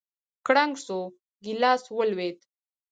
کړنگ سو گيلاس ولوېد.